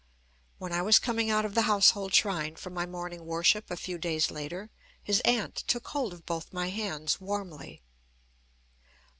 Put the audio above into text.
When I was coming out of the household shrine from my morning worship a few days later, his aunt took hold of both my hands warmly.